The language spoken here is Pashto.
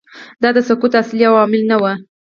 دا د سقوط اصلي عوامل نه وو